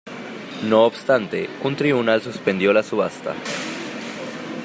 No obstante, un tribunal suspendió la subasta.